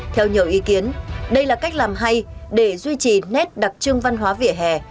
theo nhiều ý kiến đây là cách làm hay để duy trì nét đặc trưng văn hóa vỉa hè